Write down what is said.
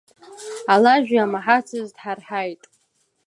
Алажә иамаҳацыз дҳарҳаит…